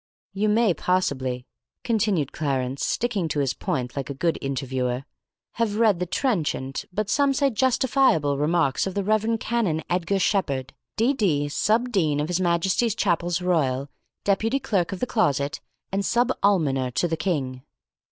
"You may possibly," continued Clarence, sticking to his point like a good interviewer, "have read the trenchant, but some say justifiable remarks of the Rev. Canon Edgar Sheppard, D.D., Sub Dean of His Majesty's Chapels Royal, Deputy Clerk of the Closet, and Sub Almoner to the King."